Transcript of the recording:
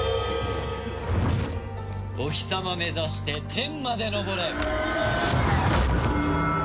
お日様目指して天まで昇れ。